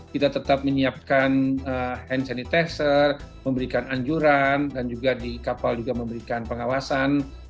kita tetap menyiapkan hand sanitizer memberikan anjuran dan juga di kapal juga memberikan pengawasan